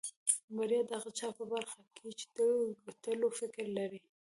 بريا د هغه چا په برخه کېږي چې د ګټلو فکر لري.